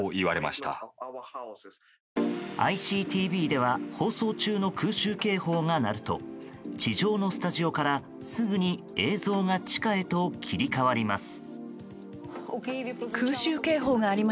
ＩＣＴＶでは放送中の空襲警報が鳴ると地上のスタジオから、すぐに映像が地下へと切り替わります。